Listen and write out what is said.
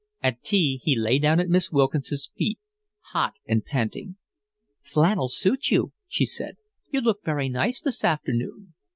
At tea he lay down at Miss Wilkinson's feet, hot and panting. "Flannels suit you," she said. "You look very nice this afternoon."